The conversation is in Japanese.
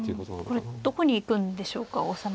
これどこに行くんでしょうか王様。